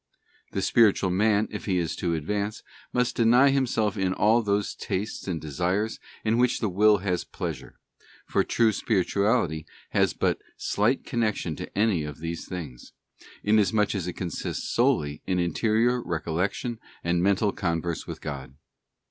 The spiritual man, if he is to advance, must deny himself in CHAP, XXXVI. Sensible Devotion expedient for beginners,— why. all those tastes and desires in which the will has pleasure, for — true spirituality has but slight connection with any of these things, inasmuch as it consists solely in interior recollection and mental converse with God.